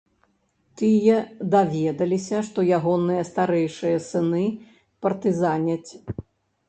Тыя даведаліся, што ягоныя старэйшыя сыны партызаняць.